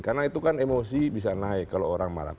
karena itu kan emosi bisa naik kalau orang marah